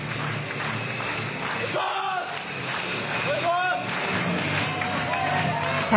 お願いします！